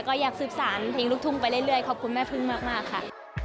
ก็อยากสืบสารเพลงลูกทุ่งไปเรื่อยขอบคุณแม่พึ่งมากค่ะ